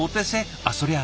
あっそりゃあ